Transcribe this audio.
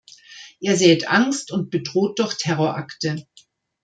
Er sät Angst und bedroht durch Terrorakte.